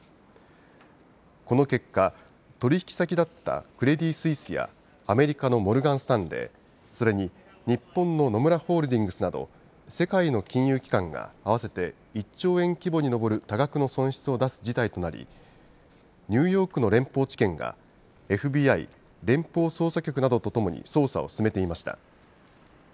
この結果、取引先だったクレディ・スイスやアメリカのモルガン・スタンレーそれに日本の野村ホールディングスなど世界の金融機関が合わせて１兆円規模に上る多額の損失を出す事態となりニューヨークの連邦地検がＦＢＩ・連邦捜査局などとともに捜査を進めていました。